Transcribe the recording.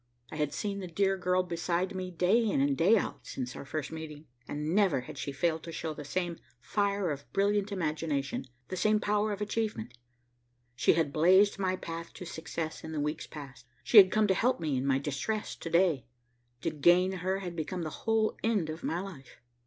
I had seen the dear girl beside me day in and day out since our first meeting, and never had she failed to show the same fire of brilliant imagination, the same power of achievement. She had blazed my path to success in the weeks past. She had come to help me in my distress to day. To gain her had become the whole end of my life.